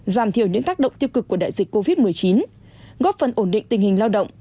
giảm thiểu những tác động tiêu cực của đại dịch covid một mươi chín góp phần ổn định tình hình lao động